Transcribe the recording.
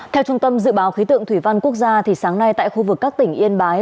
theo trung tâm dự báo khí tượng thủy văn quốc gia sáng nay tại khu vực các tỉnh yên bái